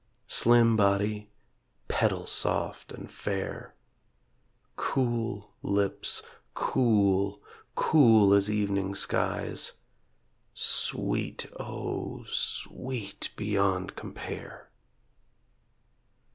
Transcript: Slim body, petal soft and fair, Cool lips, cool, cool as evening skies Sweet, O sweet beyond compare.